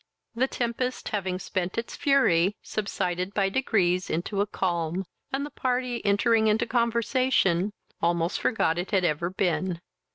The tempest having spent it fury, subsided by degrees into a calm, and the party, entering into conversation, almost forgot it had ever been.